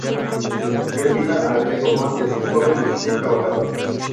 Dio vida a Greco Montes un joven humilde y trabajador.